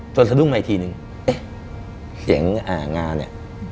ต่อสะดุ้งมาอีกทีนึงเฮ้เองอาหงาเนี่ย